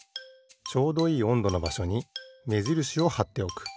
ちょうどいいおんどのばしょにめじるしをはっておく。